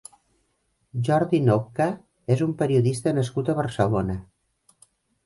Jordi Nopca és un periodista nascut a Barcelona.